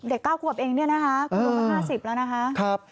เด็ก๙ขวบเองลงกว่า๕๐แล้วนะครับ